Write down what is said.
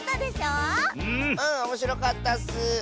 うんおもしろかったッス！